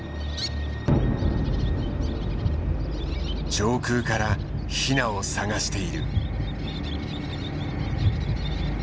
上空からヒナを探している。